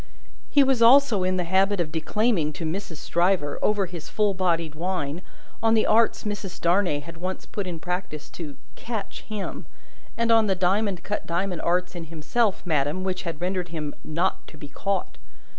He was also in the habit of declaiming to Mrs. Stryver, over his full bodied wine, on the arts Mrs. Darnay had once put in practice to "catch" him, and on the diamond cut diamond arts in himself, madam, which had rendered him "not to be caught."